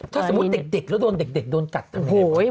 ถ้าสมมติเด็กแล้วเด็กโดนกัดทำไมถึงไง